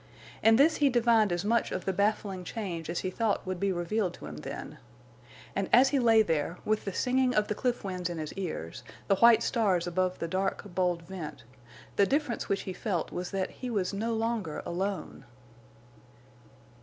In this he divined as much of the baffling change as he thought would be revealed to him then. And as he lay there, with the singing of the cliff winds in his ears, the white stars above the dark, bold vent, the difference which he felt was that he was no longer alone.